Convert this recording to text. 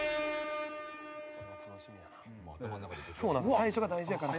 最初が大事やから。